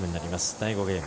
第５ゲーム。